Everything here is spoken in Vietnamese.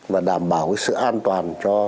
và đảm bảo sự an toàn cho